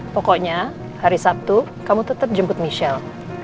pokoknya hari sabtu kamu tetap jemput michelle